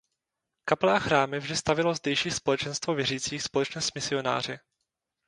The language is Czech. Kaple a chrámy vždy stavělo zdejší společenstvo věřících společně s misionáři.